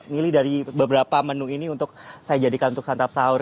milih dari beberapa menu ini untuk saya jadikan untuk santap sahur